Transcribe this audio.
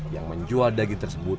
yang menjual daging tersebut